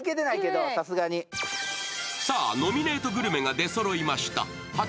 ノミネートグルメが出そろいました。